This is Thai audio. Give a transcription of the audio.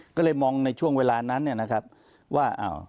ก็เลยมองในช่วงเวลานั้นว่า